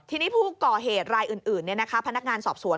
ทีนี้ผู้ก่อเหตุรายอื่นพนักงานสอบสวน